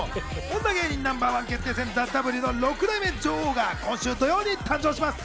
『女芸人Ｎｏ．１決定戦ＴＨＥＷ』６代目女王が今週土曜に誕生します。